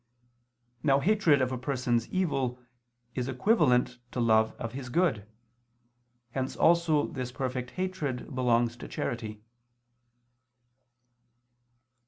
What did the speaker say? Now hatred of a person's evil is equivalent to love of his good. Hence also this perfect hatred belongs to charity.